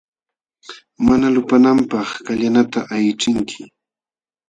Mana lupananpaq kallanata aychinki.